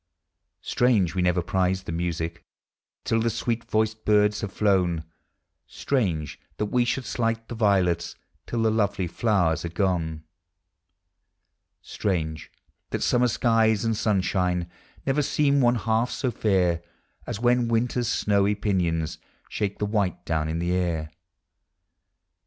Strange, we never prize the music Till the sweet voiced birds have llown; Strange, that we should slight the violets Till the lovely tlowers are gone; Strange, that summer skies and sunshine Never seem one half so fair As when winters snowy pinions Shake the white down in the air.